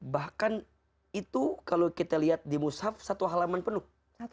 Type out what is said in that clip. bahkan itu kalau kita lihat di musaf satu halaman penuh